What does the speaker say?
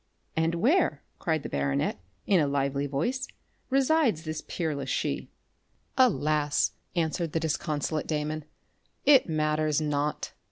"And where," cried the baronet, in a lively tone, "resides this peerless she?" "Alas," answered the disconsolate Damon, "it matters not.